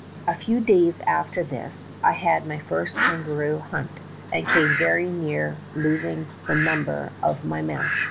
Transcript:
" A few days after this I had my first kangaroo hunt, and came very near losing the number ol my mess.